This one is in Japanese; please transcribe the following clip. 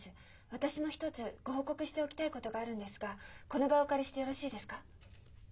私も一つご報告しておきたいことがあるんですがこの場をお借りしてよろしいですか？